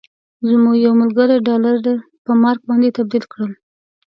زموږ یو ملګري ډالر په مارک باندې تبدیل کړل.